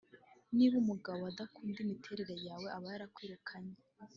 Niba umugabo adakunda imiterere yawe aba yarakwirukanye